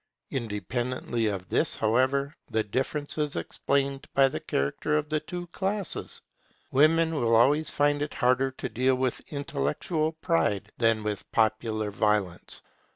Independently of this, however, the difference is explained by the character of the two classes. Women will always find it harder to deal with intellectual pride than with popular violence.